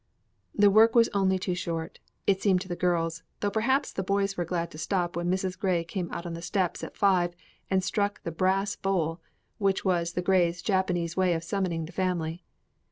The work was only too short, it seemed to the girls, though perhaps the boys were glad to stop when Mrs. Grey came out on the steps at five and struck the brass bowl, which was the Greys' Japanese way of summoning the family.